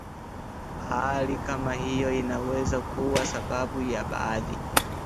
Hali kama hiyo inaweza kuwa sababu ya baadhi